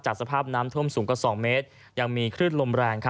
สภาพน้ำท่วมสูงกว่า๒เมตรยังมีคลื่นลมแรง